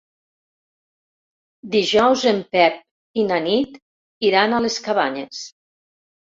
Dijous en Pep i na Nit iran a les Cabanyes.